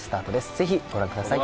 ぜひご覧ください